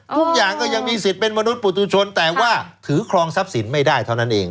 ทุกอย่างก็ยังมีสิทธิ์เป็นมนุษยปุตุชนแต่ว่าถือครองทรัพย์สินไม่ได้เท่านั้นเอง